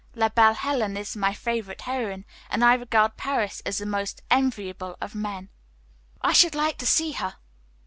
La belle Helene is my favorite heroine, and I regard Paris as the most enviable of men." "I should like to see her."